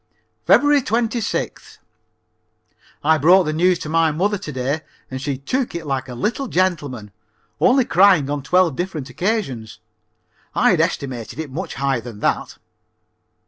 Feb. 26th. I broke the news to mother to day and she took it like a little gentleman, only crying on twelve different occasions. I had estimated it much higher than that.